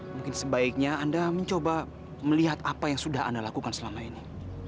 mungkin sebaiknya anda mencoba melihat apa yang sudah anda lakukan selama ini